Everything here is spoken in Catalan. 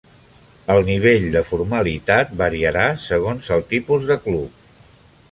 El nivell de formalitat variarà segons el tipus de club.